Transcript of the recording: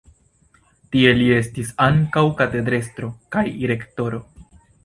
Tie li estis ankaŭ katedrestro kaj rektoro.